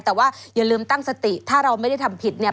แต่ว่าอย่าลืมตั้งสติถ้าเราไม่ได้ทำผิดเนี่ย